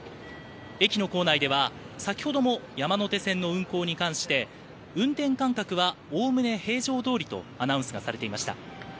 駅の構内では先ほども山手線の運行に関して運転間隔はおおむね平常どおりとアナウンスがされていました。